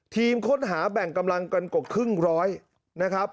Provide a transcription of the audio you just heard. ทีมค้นหาแบ่งกำลังกันกว่าครึ่งร้อยนะครับ